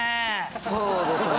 そうですね。